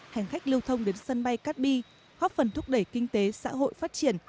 hành khách lưu thông đến sân bay cát bi góp phần thúc đẩy kinh tế xã hội phát triển